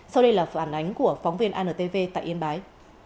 sau đây là phản ánh của phóng viên antv tại yên bái